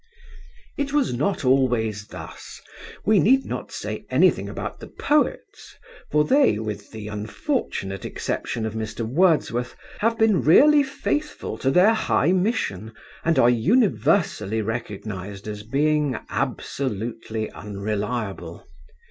'It was not always thus. We need not say anything about the poets, for they, with the unfortunate exception of Mr. Wordsworth, have been really faithful to their high mission, and are universally recognised as being absolutely unreliable.